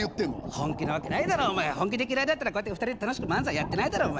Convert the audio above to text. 本気なわけないだろお前本気で嫌いだったらこうやって２人で楽しく漫才やってないだろお前